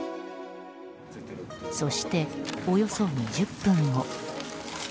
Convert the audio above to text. そして、およそ２０分後。